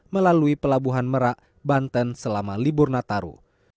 melalui pelabuhan merak banten selama libur nataru